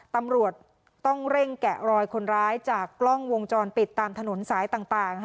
ตำรวจต้องเร่งแกะรอยคนร้ายจากกล้องวงจรปิดตามถนนสายต่าง